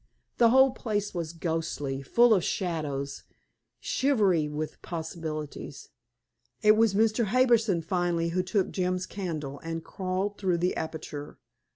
The whole place was ghostly, full of shadows, shivery with possibilities. It was Mr. Harbison finally who took Jim's candle and crawled through the aperture.